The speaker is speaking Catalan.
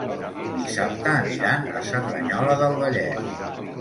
Dissabte aniran a Cerdanyola del Vallès.